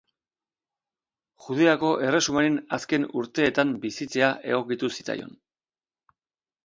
Judeako erresumaren azken urteetan bizitzea egokitu zitzaion.